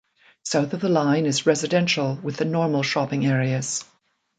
South of the line is residential with the normal shopping areas.